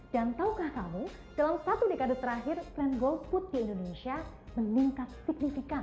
dan tahukah kamu dalam satu dekade terakhir tren golput di indonesia meningkat signifikan